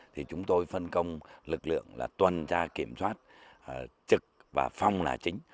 thì chúng tôi phân công lực lượng là tuần tra kiểm soát trực và phong là chính